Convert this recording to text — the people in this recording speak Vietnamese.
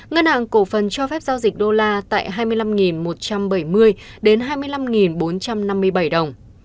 ngân hàng cổ phần cho phép giao dịch đô la tại hai mươi năm một trăm bảy mươi đến hai mươi năm bốn trăm năm mươi bảy đồng